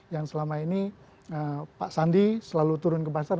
yang selama ini pak sandi selalu turun ke pasar